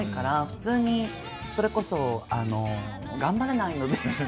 普通にそれこそ頑張れないので。